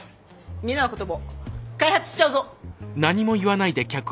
みんなのことも開発しちゃうぞ！